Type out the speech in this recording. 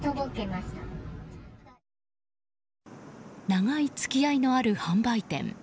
長い付き合いのある販売店。